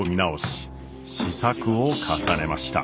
試作を重ねました。